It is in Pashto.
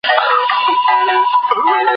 مطالعه کول انسان ته د حقيقت لاره روښانه کوي.